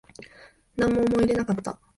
なんも思い入れなかった